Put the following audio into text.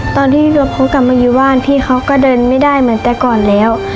ตอนที่ตัวเขากลับมาอยู่บ้านพี่เขาก็เดินไม่ได้เหมือนแต่ก่อนแล้ว